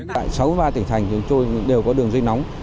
tại sáu mươi ba tỉnh thành chúng tôi đều có đường dây nóng